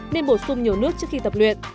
nên bổ sung nhiều nước trước khi tập luyện